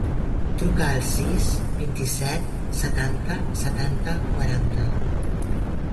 Truca al sis, vint-i-set, setanta, setanta, quaranta.